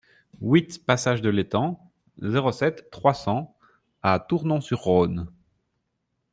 huit passage de l'Étang, zéro sept, trois cents à Tournon-sur-Rhône